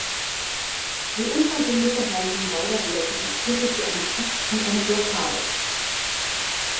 Die unversöhnliche Haltung beider Blöcke führte zu einem Patt und einer Blockade.